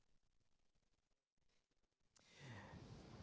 apakah paslon yang diambil akan diambil dengan sebuah kata yang sama